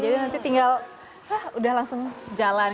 jadi nanti tinggal udah langsung jalan